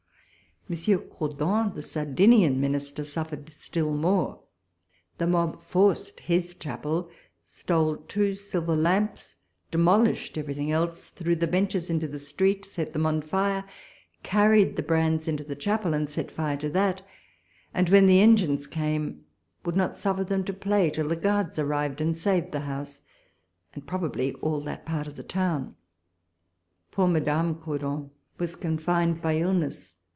Monsieur Cordon, the Sardinian Minister, suffered still more. The mob forced his chapel, stole two silver lamps, demolished everything else, threw the benches into the street, set them on fire, carried the brands into the chapel, and set fire to that ; and, when the engines came, would not suffer them to play till the Guards arrived, and saved the house and probably all that part of the town. Poor Madame Cordon was confined by illness.